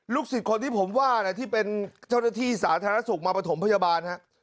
ลูกศิษย์คนที่ผมว่าที่เป็นเจ้าหน้าที่สาธารณสุขมาปฐมพยาบาล